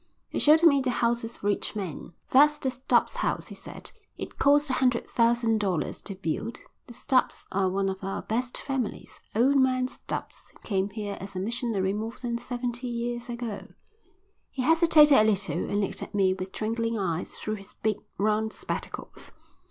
He showed me the houses of rich men. "That's the Stubbs' house," he said. "It cost a hundred thousand dollars to build. The Stubbs are one of our best families. Old man Stubbs came here as a missionary more than seventy years ago." He hesitated a little and looked at me with twinkling eyes through his big round spectacles.